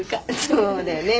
そうだよね。